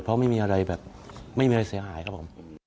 เพราะไม่มีอะไรแบบไม่มีอะไรเสียหายครับผม